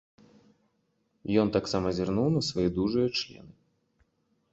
Ён таксама зірнуў на свае дужыя члены.